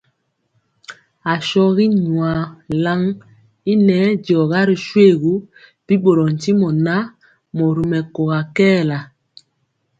Ashɔgi nyuan lan i nɛɛ diɔga ri shoégu, bi ɓorɔɔ ntimɔ ŋan, mori mɛkóra kɛɛla.